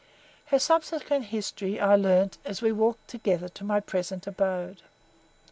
Her subsequent history I learnt as we walked together to my present abode.